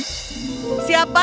siapa yang mengambil benda ini